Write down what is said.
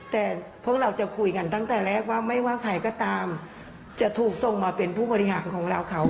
แต่พวกเราจะคุยกันตั้งแต่แรกว่าไม่ว่าใครก็ตามจะถูกส่งมาเป็นผู้บริหารของเราเขา